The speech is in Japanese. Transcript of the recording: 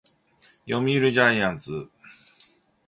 読売ジャイアンツ